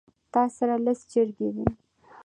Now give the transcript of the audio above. تاسره لس چرګې دي